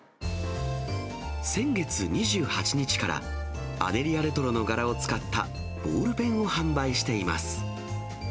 先月２８日から、アデリアレトロの柄を使ったボールペンを販売しています。